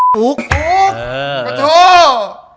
ฟุกประโทษ